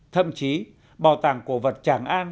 thậm chí bảo tàng của vật tràng an